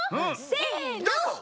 せの！